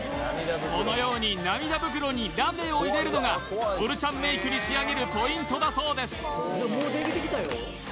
このように涙袋にラメを入れるのがオルチャンメイクに仕上げるポイントだそうです